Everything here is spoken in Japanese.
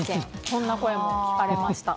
こんな声も聞かれました。